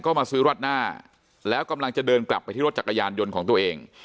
ก็มาซื้อรัดหน้าแล้วกำลังจะเดินกลับไปที่รถจักรยานยนต์ของตัวเอง